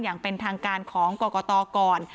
อย่างเป็นทางการของกรกตก่อน